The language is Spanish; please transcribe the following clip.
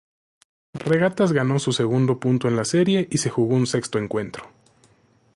Regatas ganó su segundo punto en la serie y se jugó un sexto encuentro.